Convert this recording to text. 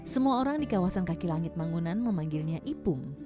semua orang di kawasan kaki langit mangunan memanggilnya ipung